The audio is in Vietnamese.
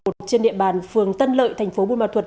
trên địa bàn phường tân lợi tp bùi mà thuật